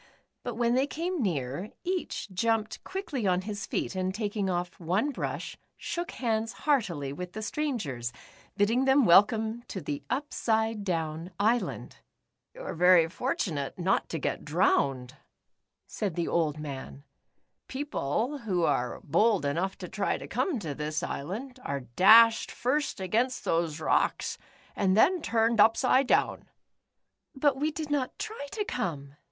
But when they came near, each jumped quickly on his feet, and taking off one brush, shook hands heart ily with the strangers, bidding them welcome to the Upsidedown Island. " You were very fortunate not to i?et drowned,'" The L psidedownians. I si said the old man. * People who are bold enough to tr\' to come to this island, are dashed first against those rocks, and then turned upside down." "But we did not tr\ to come."